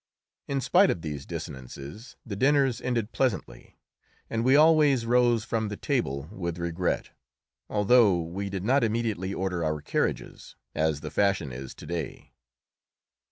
In spite of these dissonances, the dinners ended pleasantly, and we always rose from the table with regret, although we did not immediately order our carriages, as the fashion is to day.